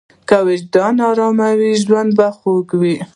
که وجدان ارام وي، ژوند خوږ وي.